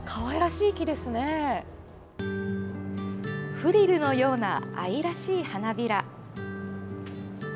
フリルのような愛らしい花びら。